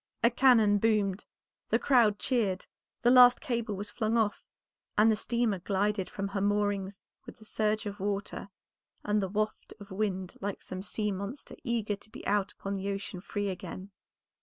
A cannon boomed, the crowd cheered, the last cable was flung off, and the steamer glided from her moorings with the surge of water and the waft of wind like some sea monster eager to be out upon the ocean free again.